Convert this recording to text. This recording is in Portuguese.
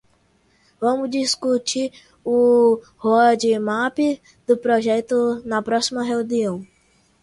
Vamos discutir o roadmap do projeto na próxima reunião.